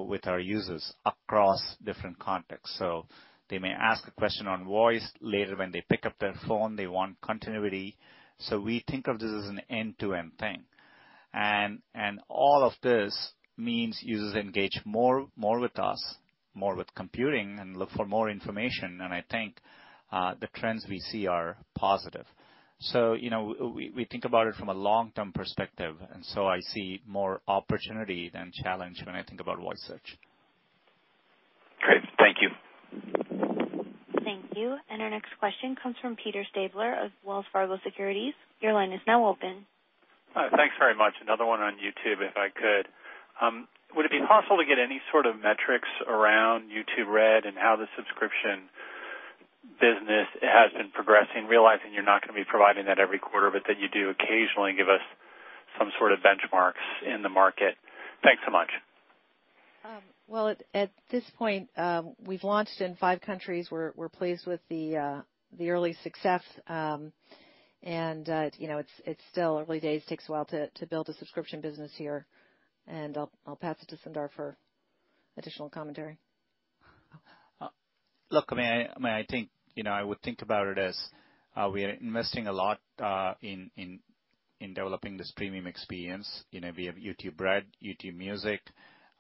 with our users across different contexts. So they may ask a question on voice later when they pick up their phone. They want continuity. So we think of this as an end-to-end thing. And all of this means users engage more with us, more with computing, and look for more information. And I think the trends we see are positive. So we think about it from a long-term perspective, and so I see more opportunity than challenge when I think about voice search. Great. Thank you. Thank you. And our next question comes from Peter Stabler of Wells Fargo Securities. Your line is now open. Thanks very much. Another one on YouTube, if I could. Would it be possible to get any sort of metrics around YouTube Red and how the subscription business has been progressing, realizing you're not going to be providing that every quarter, but that you do occasionally give us some sort of benchmarks in the market? Thanks so much. At this point, we've launched in five countries. We're pleased with the early success. It's still early days. It takes a while to build a subscription business here. I'll pass it to Sundar for additional commentary. Look, I mean, I think I would think about it as we are investing a lot in developing this premium experience. We have YouTube Red, YouTube Music,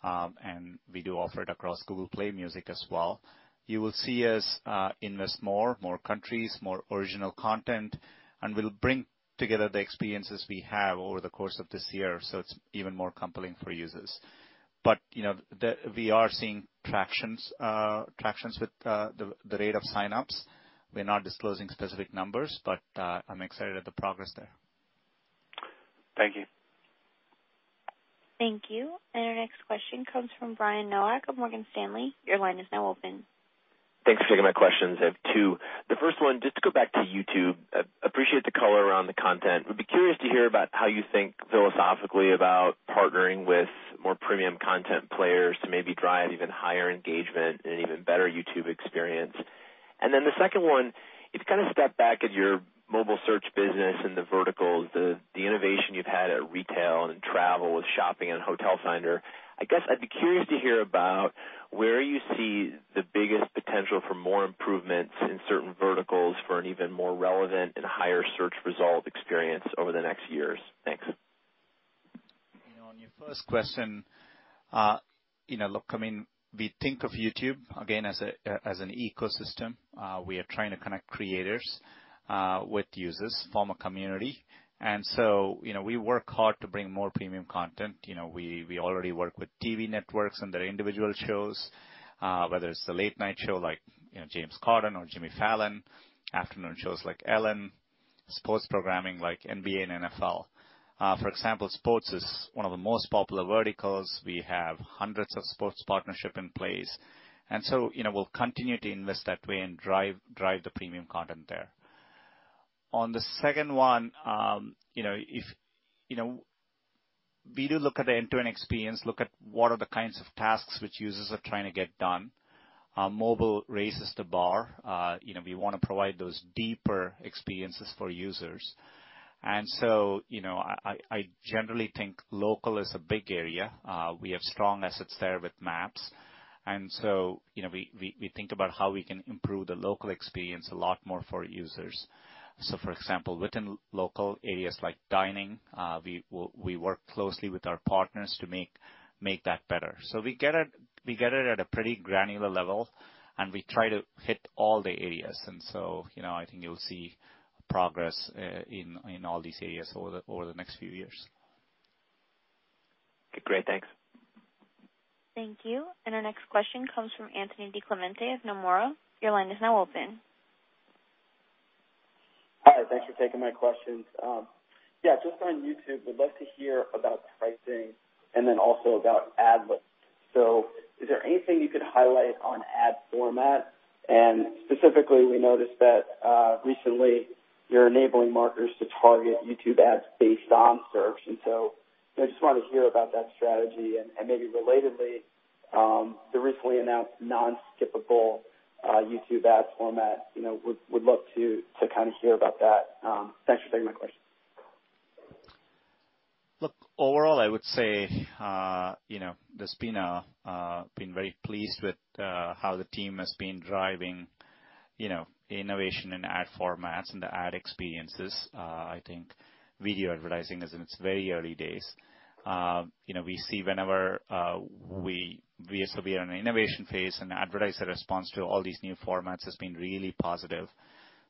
and we do offer it across Google Play Music as well. You will see us invest more, more countries, more original content, and we'll bring together the experiences we have over the course of this year, so it's even more compelling for users. We are seeing tractions with the rate of sign-ups. We're not disclosing specific numbers, but I'm excited at the progress there. Thank you. Thank you. Our next question comes from Brian Nowak of Morgan Stanley. Your line is now open. Thanks for taking my questions. I have two. The first one, just to go back to YouTube, appreciate the color around the content. I'd be curious to hear about how you think philosophically about partnering with more premium content players to maybe drive even higher engagement and an even better YouTube experience. And then the second one, if you kind of step back at your mobile search business and the verticals, the innovation you've had at retail and travel with shopping and Hotel Finder, I guess I'd be curious to hear about where you see the biggest potential for more improvements in certain verticals for an even more relevant and higher search result experience over the next years. Thanks. On your first question, look, I mean, we think of YouTube, again, as an ecosystem. We are trying to connect creators with users, form a community. And so we work hard to bring more premium content. We already work with TV networks and their individual shows, whether it's the late-night show like James Corden or Jimmy Fallon, afternoon shows like Ellen, sports programming like NBA and NFL. For example, sports is one of the most popular verticals. We have hundreds of sports partnerships in place. And so we'll continue to invest that way and drive the premium content there. On the second one, if we do look at the end-to-end experience, look at what are the kinds of tasks which users are trying to get done. Mobile raises the bar. We want to provide those deeper experiences for users. And so I generally think local is a big area. We have strong assets there with Maps. And so we think about how we can improve the local experience a lot more for users. So for example, within local areas like dining, we work closely with our partners to make that better. So we get it at a pretty granular level, and we try to hit all the areas, and so I think you'll see progress in all these areas over the next few years. Okay. Great. Thanks. Thank you. Our next question comes from Anthony DiClemente of Nomura. Your line is now open. Hi. Thanks for taking my questions. Yeah. Just on YouTube, we'd love to hear about pricing and then also about ad loads. So is there anything you could highlight on ad format? Specifically, we noticed that recently you're enabling marketers to target YouTube ads based on search. So I just wanted to hear about that strategy. Maybe relatedly, the recently announced non-skippable YouTube ad format, we'd love to kind of hear about that. Thanks for taking my question. Look, overall, I would say we've been very pleased with how the team has been driving innovation in ad formats and the ad experiences. I think video advertising is in its very early days. We see whenever we are in an innovation phase, and advertiser response to all these new formats has been really positive.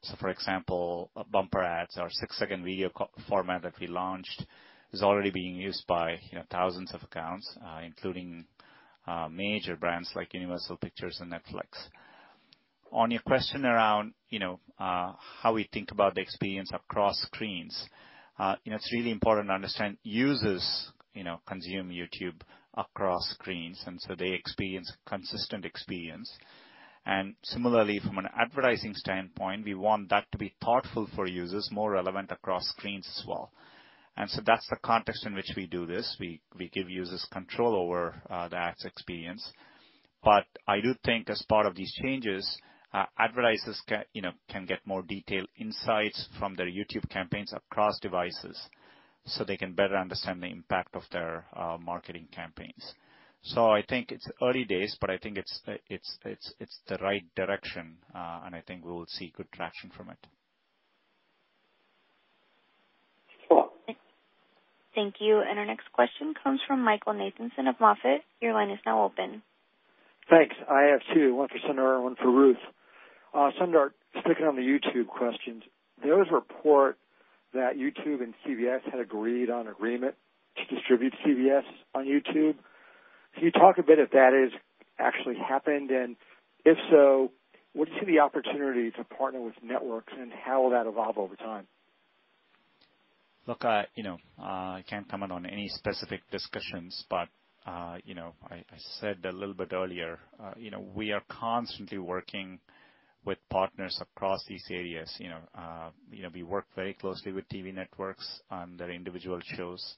So for example, bumper ads or six-second video format that we launched is already being used by thousands of accounts, including major brands like Universal Pictures and Netflix. On your question around how we think about the experience across screens, it's really important to understand users consume YouTube across screens, and so they experience a consistent experience. And similarly, from an advertising standpoint, we want that to be thoughtful for users, more relevant across screens as well. And so that's the context in which we do this. We give users control over the ads experience. But I do think as part of these changes, advertisers can get more detailed insights from their YouTube campaigns across devices so they can better understand the impact of their marketing campaigns. So I think it's early days, but I think it's the right direction, and I think we will see good traction from it. Thank you. And our next question comes from Michael Nathanson of Moffett. Your line is now open. Thanks. I have two, one for Sundar and one for Ruth. Sundar, sticking on the YouTube questions, there was a report that YouTube and CBS had agreed on agreement to distribute CBS on YouTube. Can you talk a bit if that has actually happened? And if so, what do you see the opportunity to partner with networks, and how will that evolve over time? Look, I can't comment on any specific discussions, but I said a little bit earlier, we are constantly working with partners across these areas. We work very closely with TV networks on their individual shows.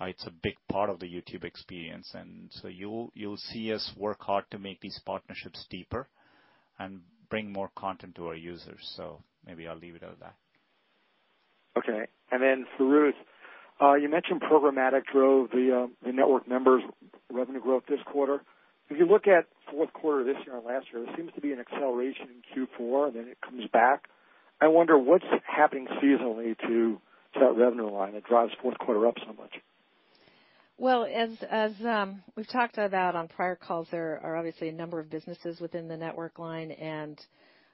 It's a big part of the YouTube experience. And so you'll see us work hard to make these partnerships deeper and bring more content to our users. So maybe I'll leave it at that. Okay. And then for Ruth, you mentioned programmatic drove the network members' revenue growth this quarter. If you look at fourth quarter this year and last year, there seems to be an acceleration in Q4, and then it comes back. I wonder what's happening seasonally to that revenue line that drives fourth quarter up so much? As we've talked about on prior calls, there are obviously a number of businesses within the network line, and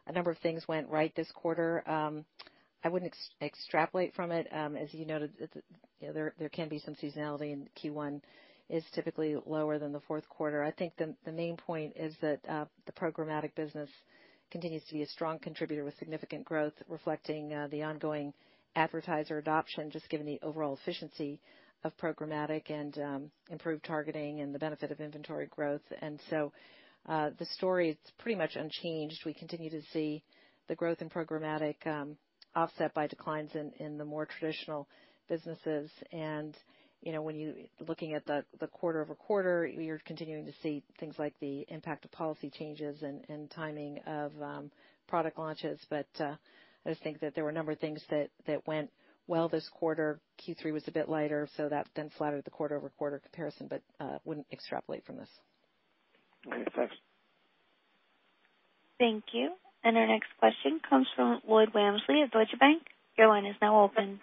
a number of things went right this quarter. I wouldn't extrapolate from it. As you noted, there can be some seasonality, and Q1 is typically lower than the fourth quarter. I think the main point is that the programmatic business continues to be a strong contributor with significant growth, reflecting the ongoing advertiser adoption, just given the overall efficiency of programmatic and improved targeting and the benefit of inventory growth. And so the story is pretty much unchanged. We continue to see the growth in programmatic offset by declines in the more traditional businesses. And when you're looking at the quarter-over-quarter, you're continuing to see things like the impact of policy changes and timing of product launches. But I just think that there were a number of things that went well this quarter. Q3 was a bit lighter, so that then flattered the quarter-over-quarter comparison, but wouldn't extrapolate from this. Okay. Thanks. Thank you. And our next question comes from Lloyd Walmsley of Deutsche Bank. Your line is now open.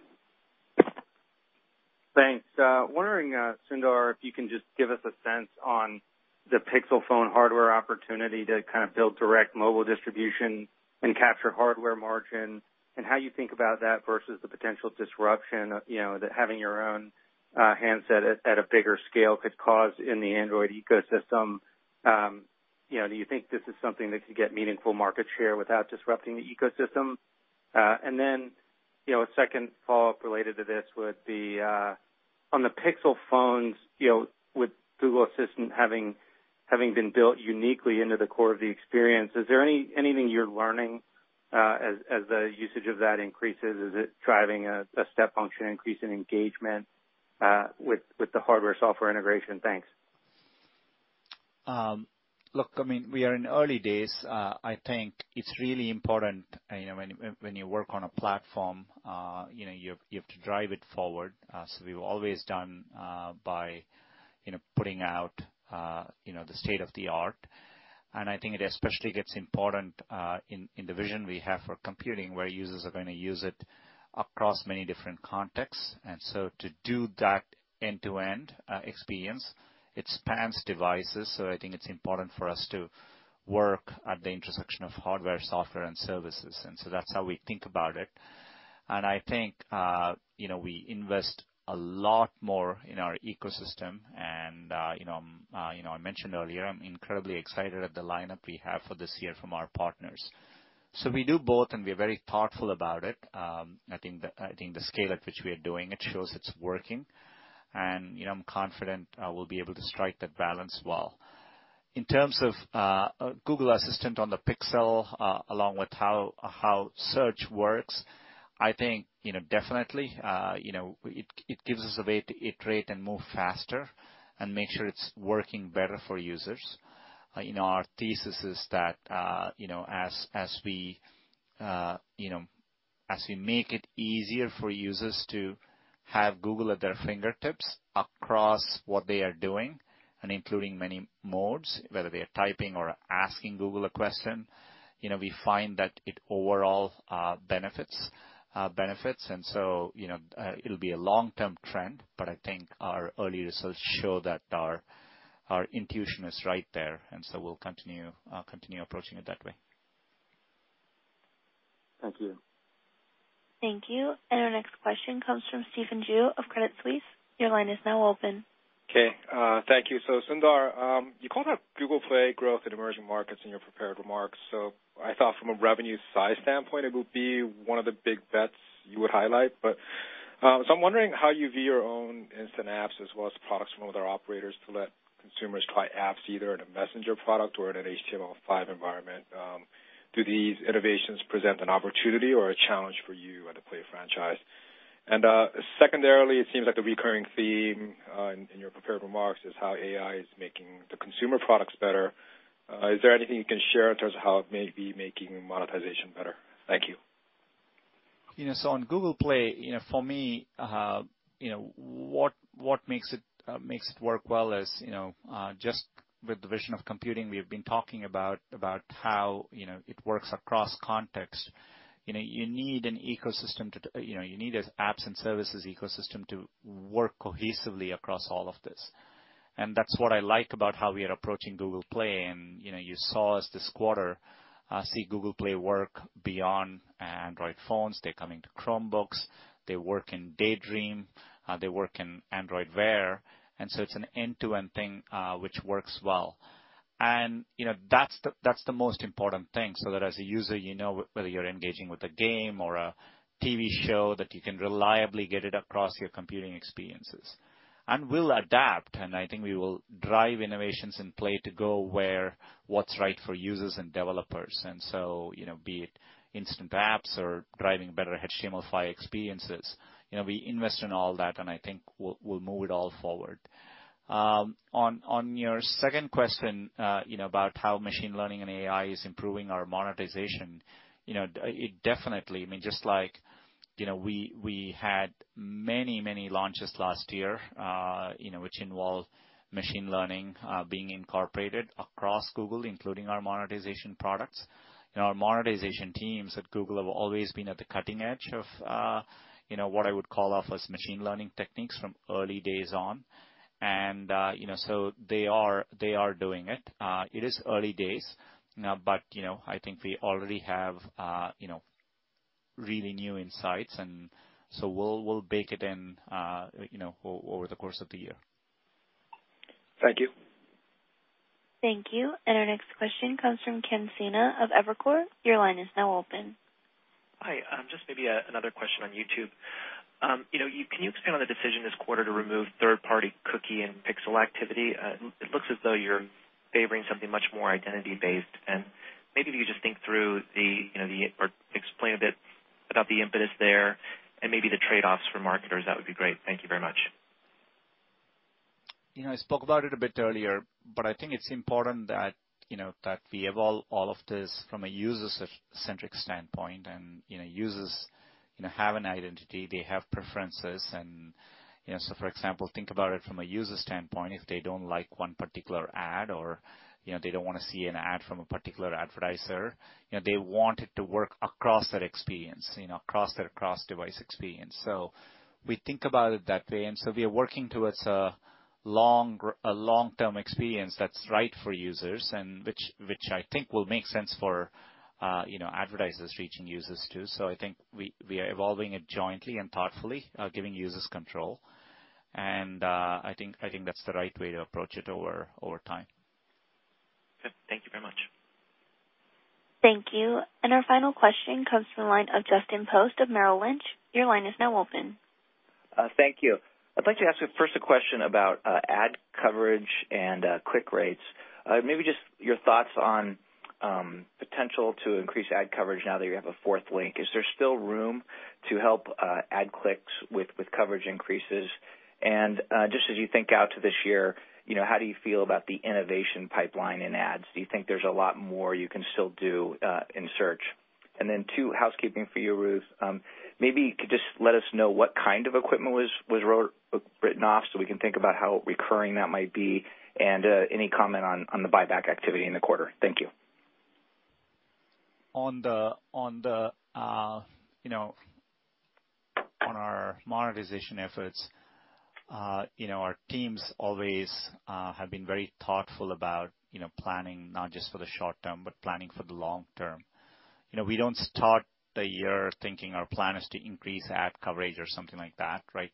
Thanks. Wondering, Sundar, if you can just give us a sense on the Pixel phone hardware opportunity to kind of build direct mobile distribution and capture hardware margin, and how you think about that versus the potential disruption that having your own handset at a bigger scale could cause in the Android ecosystem. Do you think this is something that could get meaningful market share without disrupting the ecosystem? And then a second follow-up related to this would be, on the Pixel phones, with Google Assistant having been built uniquely into the core of the experience, is there anything you're learning as the usage of that increases? Is it driving a step function, increasing engagement with the hardware-software integration? Thanks. Look, I mean, we are in early days. I think it's really important when you work on a platform, you have to drive it forward. So we've always done by putting out the state-of-the-art. And I think it especially gets important in the vision we have for computing, where users are going to use it across many different contexts. And so to do that end-to-end experience, it spans devices. So I think it's important for us to work at the intersection of hardware, software, and services. And so that's how we think about it. And I think we invest a lot more in our ecosystem. And I mentioned earlier, I'm incredibly excited at the lineup we have for this year from our partners. So we do both, and we're very thoughtful about it. I think the scale at which we are doing it shows it's working. And I'm confident we'll be able to strike that balance well. In terms of Google Assistant on the Pixel, along with how search works, I think definitely it gives us a way to iterate and move faster and make sure it's working better for users. Our thesis is that as we make it easier for users to have Google at their fingertips across what they are doing and including many modes, whether they are typing or asking Google a question, we find that it overall benefits. And so it'll be a long-term trend, but I think our early results show that our intuition is right there. And so we'll continue approaching it that way. Thank you. Thank you. And our next question comes from Stephen Ju of Credit Suisse. Your line is now open. Okay. Thank you. So Sundar, you called out Google Play growth in emerging markets in your prepared remarks. So I thought from a revenue size standpoint, it would be one of the big bets you would highlight. But so I'm wondering how you view your own Instant Apps as well as products from other operators to let consumers try apps either in a Messenger product or in an HTML5 environment. Do these innovations present an opportunity or a challenge for you at the Play franchise? And secondarily, it seems like a recurring theme in your prepared remarks is how AI is making the consumer products better. Is there anything you can share in terms of how it may be making monetization better? Thank you. So on Google Play, for me, what makes it work well is just with the vision of computing. We have been talking about how it works across context. You need an ecosystem. You need an apps and services ecosystem to work cohesively across all of this. And that's what I like about how we are approaching Google Play. And you saw us this quarter see Google Play work beyond Android phones. They're coming to Chromebooks. They work in Daydream. They work in Android Wear. And so it's an end-to-end thing which works well. And that's the most important thing so that as a user, you know whether you're engaging with a game or a TV show, that you can reliably get it across your computing experiences. And we'll adapt. And I think we will drive innovations in Play to go where what's right for users and developers. And so be it Instant Apps or driving better HTML5 experiences. We invest in all that, and I think we'll move it all forward. On your second question about how machine learning and AI is improving our monetization, it definitely, I mean, just like we had many, many launches last year which involve machine learning being incorporated across Google, including our monetization products. Our monetization teams at Google have always been at the cutting edge of what I would call off-the-shelf machine learning techniques from early days on. And so they are doing it. It is early days, but I think we already have really new insights, and so we'll bake it in over the course of the year. Thank you. Thank you, and our next question comes from Ken Sena of Evercore. Your line is now open. Hi. Just maybe another question on YouTube. Can you expand on the decision this quarter to remove third-party cookie and pixel activity? It looks as though you're favoring something much more identity-based. And maybe if you just think through the, or explain a bit about the impetus there and maybe the trade-offs for marketers, that would be great. Thank you very much. I spoke about it a bit earlier, but I think it's important that we evolve all of this from a user-centric standpoint, and users have an identity. They have preferences, and so for example, think about it from a user standpoint. If they don't like one particular ad or they don't want to see an ad from a particular advertiser, they want it to work across that experience, across-device experience. So we think about it that way. And so we are working towards a long-term experience that's right for users, which I think will make sense for advertisers reaching users too. So I think we are evolving it jointly and thoughtfully, giving users control. And I think that's the right way to approach it over time. Good. Thank you very much. Thank you. And our final question comes from the line of Justin Post of Merrill Lynch. Your line is now open. Thank you. I'd like to ask you first a question about ad coverage and click rates. Maybe just your thoughts on potential to increase ad coverage now that you have a fourth link. Is there still room to help ad clicks with coverage increases? And just as you think out to this year, how do you feel about the innovation pipeline in ads? Do you think there's a lot more you can still do in search? And then two housekeeping for you, Ruth. Maybe could just let us know what kind of equipment was written off so we can think about how recurring that might be and any comment on the buyback activity in the quarter. Thank you. On our monetization efforts, our teams always have been very thoughtful about planning not just for the short term, but planning for the long term. We don't start the year thinking our plan is to increase ad coverage or something like that, right?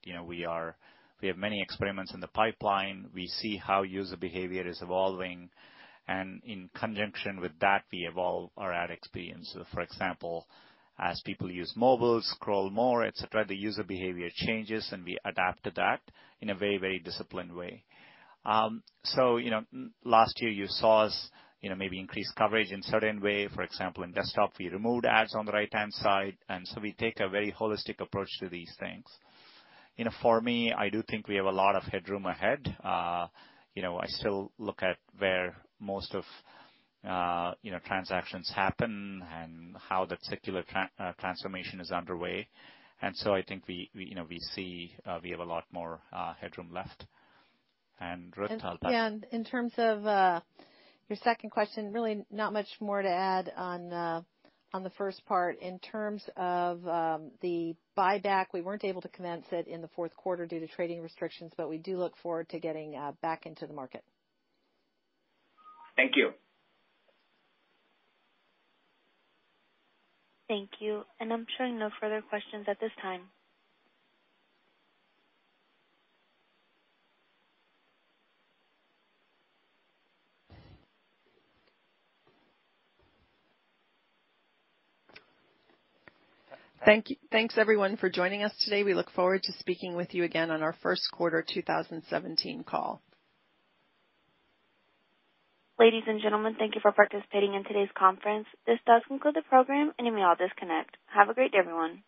We have many experiments in the pipeline. We see how user behavior is evolving. In conjunction with that, we evolve our ad experience. So for example, as people use mobiles, scroll more, etc., the user behavior changes, and we adapt to that in a very, very disciplined way. So last year, you saw us maybe increase coverage in a certain way. For example, in desktop, we removed ads on the right-hand side. And so we take a very holistic approach to these things. For me, I do think we have a lot of headroom ahead. I still look at where most of transactions happen and how that circular transformation is underway. And so I think we see we have a lot more headroom left. And Ruth, how about you? And in terms of your second question, really not much more to add on the first part. In terms of the buyback, we weren't able to commence it in the fourth quarter due to trading restrictions, but we do look forward to getting back into the market. Thank you. Thank you. And I'm showing no further questions at this time. Thanks, everyone, for joining us today. We look forward to speaking with you again on our first quarter 2017 call. Ladies and gentlemen, thank you for participating in today's conference. This does conclude the program, and we will disconnect. Have a great day, everyone.